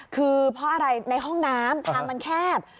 คือเพราะอะไรในห้องน้ำทางมันแคบ